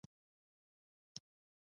جامدات ټاکلی شکل او حجم لري.